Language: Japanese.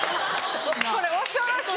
これ恐ろしい。